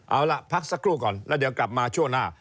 เอาล่ะพักสักครู่ก่อนแล้วเดี๋ยวกลับมาช่วงหน้า